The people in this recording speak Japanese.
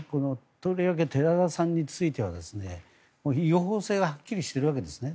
とりわけ寺田さんについては違法性がはっきりしているわけですね。